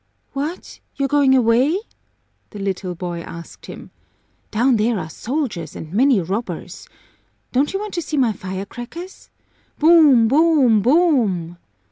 "What! You're going away?" the little boy asked him. "Down there are soldiers and many robbers. Don't you want to see my firecrackers? Boom, boom, boom!"